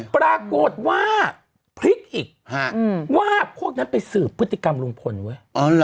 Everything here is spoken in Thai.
ปรากฏว่าพลิกอีกว่าพวกนั้นไปสืบพฤติกรรมลุงพลเว้ย